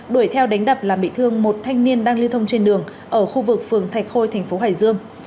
đuổi theo đánh đập làm bị thương một thanh niên đang lưu thông trên đường ở khu vực phường thạch khôi thành phố hải dương